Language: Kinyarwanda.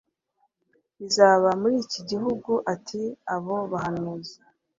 Bizaba muri iki gihugu ati abo bahanuzi